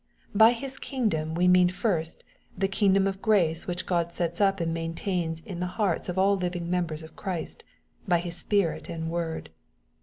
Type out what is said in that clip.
By His kingdom we mean first, the kingdom of grace which God sets up and main tains in the hearts of all living members of Christ, by His Spirit and word.